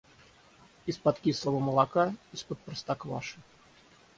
Из-под кислого молока, из-под простокваши.